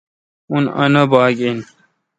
اُن انّا با گ آں